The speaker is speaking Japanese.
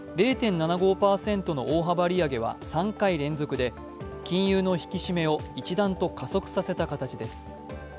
０．７５％の大幅利上げは３回連続で金融の引き締めを一段と加速させた形です。